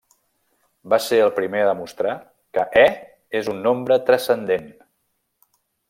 Va ser el primer a demostrar que e és un nombre transcendent.